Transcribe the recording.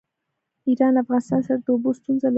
ایران له افغانستان سره د اوبو ستونزه لري.